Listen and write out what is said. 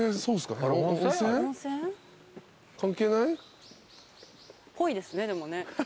っぽいですねでもね。